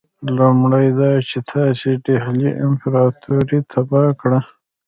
لومړی دا چې تاسي د ډهلي امپراطوري تباه کړه.